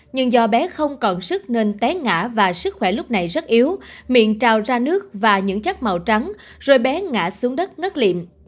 nhưng do bé không còn sức nên té ngã và sức khỏe lúc này rất yếu miệng trào ra nước và những chất màu trắng rồi bé ngã xuống đất ngất liệm